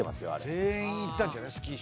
全員行ったんじゃない？